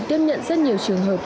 tiếp nhận rất nhiều trường hợp